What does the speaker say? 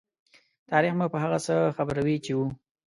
تاریخ مو په هغه څه خبروي چې وو.